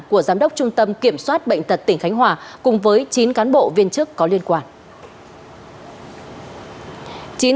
của giám đốc trung tâm kiểm soát bệnh tật tỉnh khánh hòa cùng với chín cán bộ viên chức có liên quan